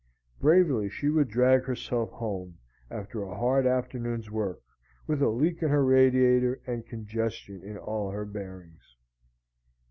Bravely she would drag herself home, after a hard afternoon's work, with a leak in her radiator and congestion in all her bearings.